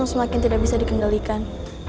semakin tidak bisa dikendalikan